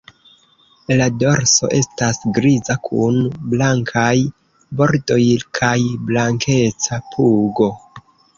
La dorso estas griza kun blankaj bordoj kaj blankeca pugo.